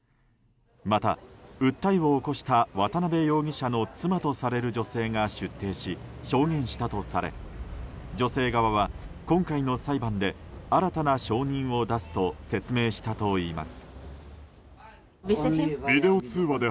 また、訴えを起こした渡邉容疑者の妻とされる女性が出廷し証言したとされ女性側は今回の裁判で新たな証人を出すと説明したといいます。